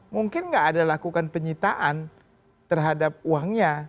mungkin nggak ada lakukan penyitaan terhadap uangnya